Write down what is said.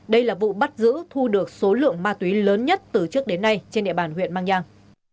đây là vụ bắt giữ thu được số lượng ma túy lớn nhất từ trước đến nay trên địa bàn huyện mang giang